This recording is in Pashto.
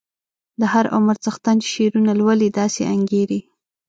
د هر عمر څښتن چې شعرونه لولي داسې انګیري.